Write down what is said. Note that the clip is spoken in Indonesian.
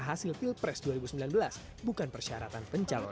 hasil pilpres dua ribu sembilan belas bukan persyaratan pencalonan